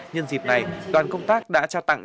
nhân dịp này đoàn công tác đã tra tặng